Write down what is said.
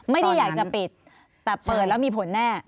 ไม่ได้อยากจะปิดแต่เปิดแล้วมีผลแน่